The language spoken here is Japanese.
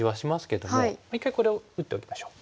もう一回これを打っておきましょう。